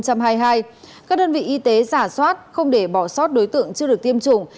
các đơn vị y tế giả soát không để bỏ sót đối tượng chưa được tiêm chủng